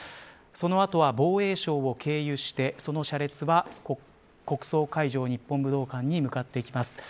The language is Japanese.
そのあとは防衛省を経由してその車列は国葬会場、日本武道館に向かっていきます。